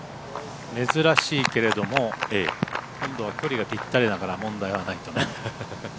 珍しいけれども今度は距離がぴったりだから問題はないと思う。